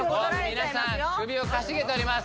皆さん首をかしげております